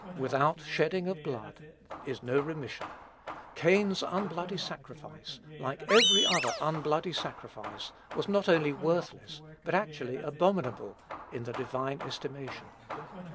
"Without shedding of blood is no remission." Cain's "unbloody sacrifice," like every other unbloody sacrifice, was not only worthless, but actually abominable, in the divine estimation.